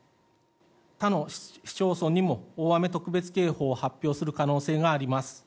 他の市町村にも大雨特別警報を発表する可能性があります。